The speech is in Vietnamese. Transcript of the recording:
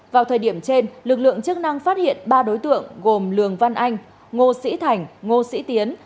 vào thời điểm trên lực lượng chức năng phát hiện ba đối tượng gồm lường văn anh ngô sĩ thành ngô sĩ tiến